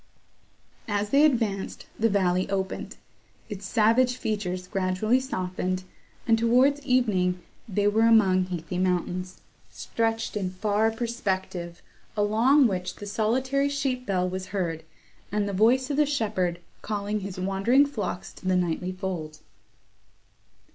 As they advanced, the valley opened; its savage features gradually softened, and, towards evening, they were among heathy mountains, stretched in far perspective, along which the solitary sheep bell was heard, and the voice of the shepherd calling his wandering flocks to the nightly fold.